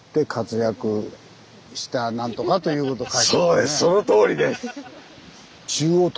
そうですそのとおりです！